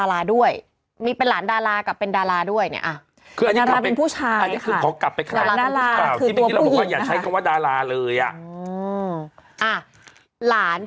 เหล่านี่ดาลาแหละคือตัวผู้หญิงนะครับ